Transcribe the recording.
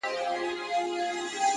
جانه راځه د بدن وينه مو په مينه پرېولو~